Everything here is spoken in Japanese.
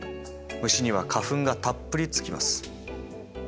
虫には花粉がたっぷりつきます。